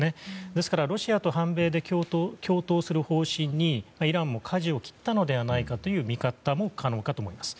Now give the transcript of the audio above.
ですから、ロシアと反米で共闘する方針にイランもかじを切ったのではという見方も可能かと思います。